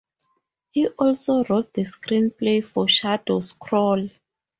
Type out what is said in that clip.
He also wrote the screenplay for "Shadows Crawl".